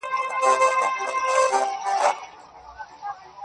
• څه کيف دی، څه درنه نسه ده او څه ستا ياد دی.